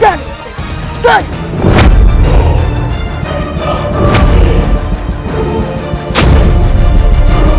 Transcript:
dan itu adalah